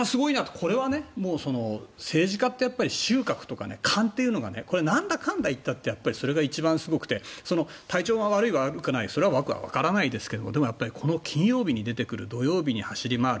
これは政治家って臭覚とか勘というのがなんだかんだ言ったってそれが一番すごくて体調がいい悪いは僕はわからないけど金曜日に出てくる土曜日に走り回る。